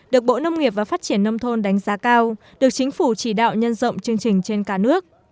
được bộ nông nghiệp và phát triển nông thôn đánh giá cao được chính phủ chỉ đạo nhân rộng chương trình trên cả nước